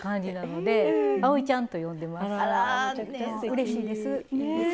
うれしいです。